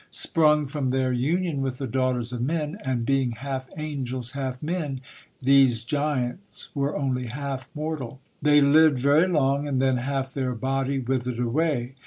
Sprung from their union with the daughters of men, and being half angels, half men, these giants were only half mortal. They lived very long, and then half their body withered away.